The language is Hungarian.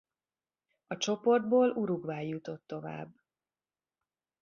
A csoportból Uruguay jutott tovább.